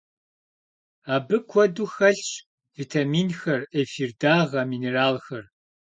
Абы куэду хэлъщ витаминхэр, эфир дагъэ, минералхэр.